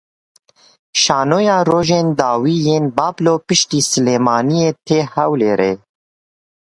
Şanoya Rojên Dawiyê yên Bablo piştî Silêmaniyê tê Hewlêrê.